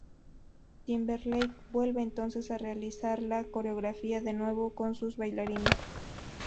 Timberlake vuelve entonces realizar la coreografía de nuevo con sus bailarines.